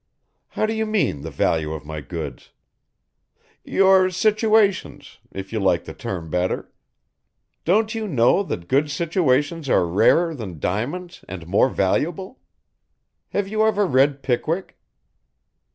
"How do you mean the value of my goods?" "Your situations, if you like the term better. Don't you know that good situations are rarer than diamonds and more valuable? Have you ever read Pickwick?"